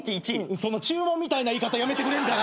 その注文みたいな言い方やめてくれるかな？